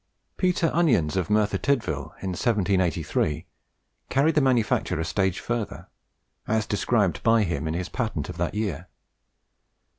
Peter Onions of Merthyr Tydvil, in 1783, carried the manufacture a stage further, as described by him in his patent of that year.